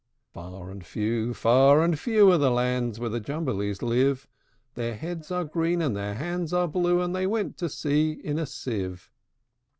Far and few, far and few, Are the lands where the Jumblies live: Their heads are green, and their hands are blue; And they went to sea in a sieve.